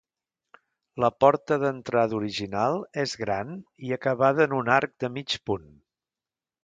La porta d'entrada original és gran i acabada en un arc de mig punt.